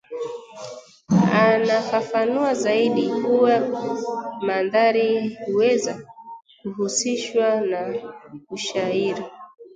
anafafanua zaidi kuwa mandhari huweza kuhusishwa na ushairi